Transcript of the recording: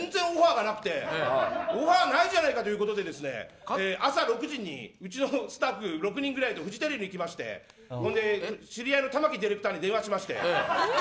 オファーがないじゃないかということで朝６時にうちのスタッフ６人ぐらいとフジテレビ行きましてそれで知り合いのディレクターに電話しまして。